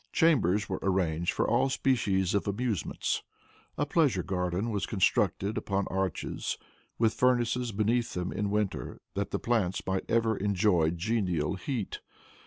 Chambers were arranged for all species of amusements. A pleasure garden was constructed upon arches, with furnaces beneath them in winter, that the plants might ever enjoy genial heat.